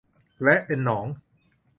และเป็นหนอง